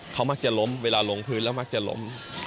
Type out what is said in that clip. เขามักจะล้มเวลาลงพื้นแล้วมักจะล้ม